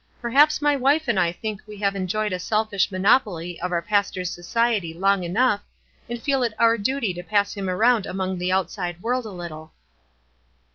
Perhaps my wife and I think we have enjoyed a selfish monopoly of our pastor's society long enough, and feel it our duty to pass him around among the outside world a little."